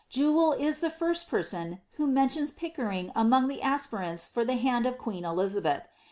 Jewel is the first person, who mentions Pickering among the aspi laots for the hand of queen Elizabeth.